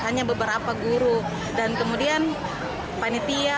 hanya beberapa guru dan kemudian panitia